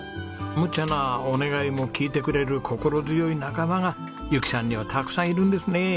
むちゃなお願いも聞いてくれる心強い仲間がゆきさんにはたくさんいるんですね。